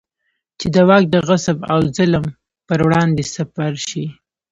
چې د واک د غصب او ظلم پر وړاندې سپر شي.